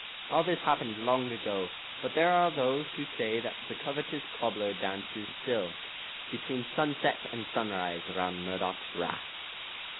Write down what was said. All this happened long ago; but there are those who say that the covetous cobbler dances still, between sunset and sunrise, round Murdoch's Rath.